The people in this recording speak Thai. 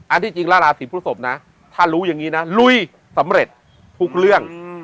ที่จริงแล้วราศีพฤศพนะถ้ารู้อย่างนี้นะลุยสำเร็จทุกเรื่อง